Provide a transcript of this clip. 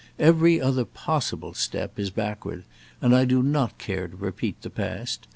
Every other possible step is backward, and I do not care to repeat the past.